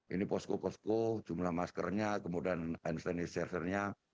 ini posko posko jumlah maskernya kemudian hand sanitizer nya